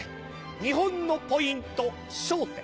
日本のポイント『笑点』。